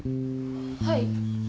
はい。